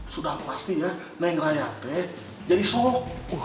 sudah pasti ya neng raya jadi sok